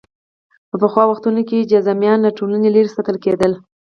په پخوا وختونو کې جذامیان له ټولنې لرې ساتل کېدل.